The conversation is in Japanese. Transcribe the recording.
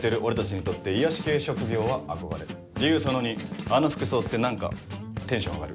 その２あの服装って何かテンション上がる。